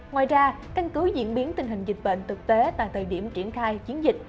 ngoài ra căn cứ diễn biến tình hình dịch bệnh thực tế tại thời điểm triển khai chiến dịch